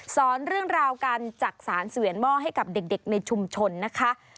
สอนเรื่องราวการจักษานเสวียนหม้อให้กับเด็กในชุมชนนะคะ